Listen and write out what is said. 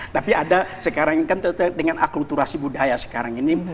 tapi ada sekarang kan dengan akulturasi budaya sekarang ini